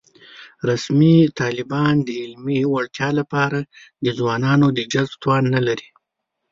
رسمي طالبان د علمي وړتیا له پاره د ځوانانو د جلب توان نه لري